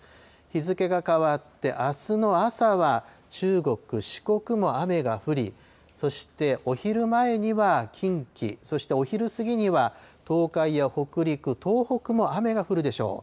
日付が変わって、あすの朝は中国、四国も雨が降り、そして、お昼前には近畿、そしてお昼過ぎには東海や北陸、東北も雨が降るでしょう。